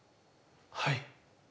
はい。